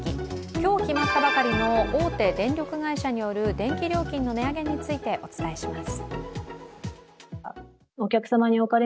今日決まったばかりの大手電力会社による電気料金の値上げについて、お伝えします。